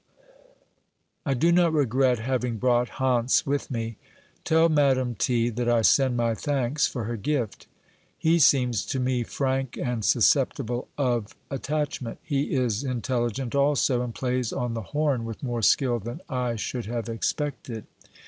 I do not regret having brought Hantz with me. Tell Madame T. that I send my thanks for her gift. He seems to me frank and susceptible of attachment. He is in telligent also, and plays on the horn with more skill than I should have expected.